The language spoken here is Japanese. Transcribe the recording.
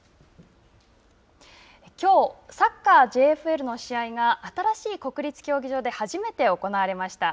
きょうサッカーＪＦＬの試合が新しい国立競技場で初めて行われました。